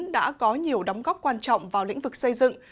đã có nhiều đóng góp quan trọng vào lĩnh vực xây dựng